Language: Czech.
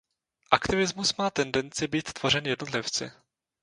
Aktivismus má tendenci být tvořen jednotlivci.